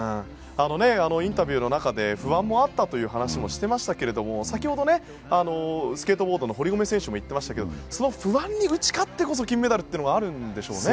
インタビューの中で不安もあったという話もしてましたけれども先ほどスケートボードの堀米選手も言ってましたけどその不安に打ち勝ってこそ金メダルというのがあるんでしょうね。